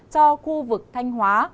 cho khu vực thanh hóa